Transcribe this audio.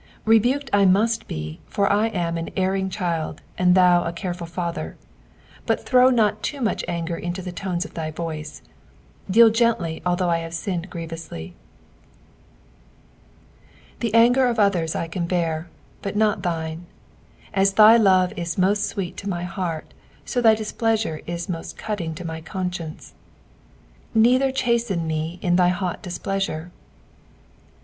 Rebuked I must be, for I am sa erring cliild and tlinu a, careful Father, but tbrow not too much anger iato the tones of thy voice ; deal gently although T have Binned grievouHly. "Die anger of others I can bear, but not thine. As thy love is most sweet to my heart, ao tby displeasure is most cutting to my conscience. ".Neither chasten ma in thy hit ditpUamre."